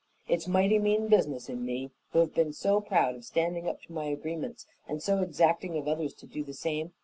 It's mighty mean business in me, who have been so proud of standing up to my agreements and so exacting of others to do the same.